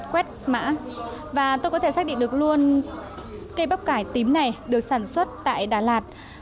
quét mã và tôi có thể xác định được luôn cây bắp cải tím này được sản xuất tại đà lạt